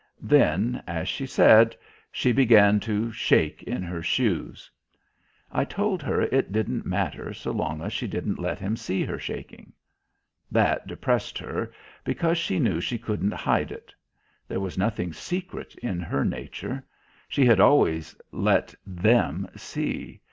Then, as she said, she began to "shake in her shoes." I told her it didn't matter so long as she didn't let him see her shaking. That depressed her, because she knew she couldn't hide it; there was nothing secret in her nature; she had always let "them" see.